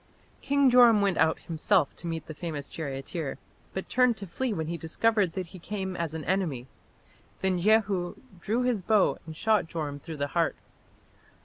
King Joram went out himself to meet the famous charioteer, but turned to flee when he discovered that he came as an enemy. Then Jehu drew his bow and shot Joram through the heart.